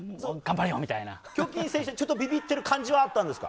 キョ・キン選手ビビってる感じはあったんですか？